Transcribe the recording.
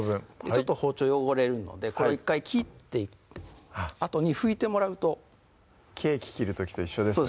ちょっと包丁汚れるのでこれを１回切ったあとに拭いてもらうとケーキ切る時と一緒ですね